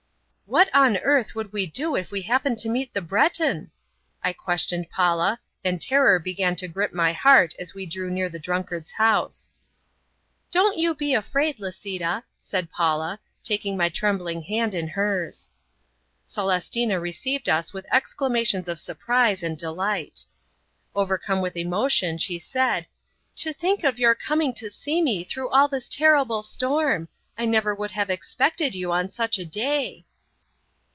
"What on earth would we do if we happened to meet the Breton?" I questioned Paula, and terror began to grip my heart as we drew near the drunkard's house. "Don't you be afraid, Lisita," said Paula, taking my trembling hand in hers. Celestina received us with exclamations of surprise and delight. Overcome with emotion, she said, "To think of your coming to see me through all this terrible storm! I never would have expected you on such a day!"